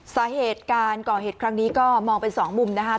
สาเหตุการก่อเหตุครั้งนี้ก็มองเป็นสองมุมนะคะ